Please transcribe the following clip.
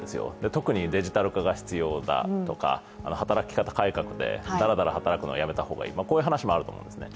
特にデジタル化が必要だとか働き方改革でだらだら働くのはやめた方がいい、こういう話もあると思うんですね。